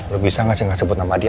lo bisa gak sih nggak sebut nama dia